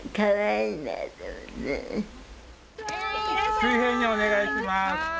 水平にお願いします。